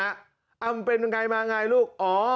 อ้าวมันเป็นยังไงมาไงลูกอ๋อ